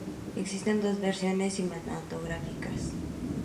Existen dos versiones cinematográficas.